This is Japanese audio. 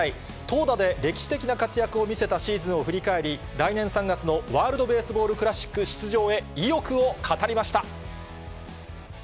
投打で歴史的な活躍を見せたシーズンを振り返り、来年３月のワールドベースボールクラシック出場へ、意欲を語りました。